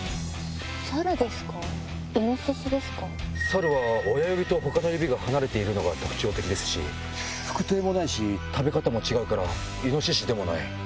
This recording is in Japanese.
サルは親指と他の指が離れているのが特徴的ですし副蹄もないし食べ方も違うからイノシシでもない。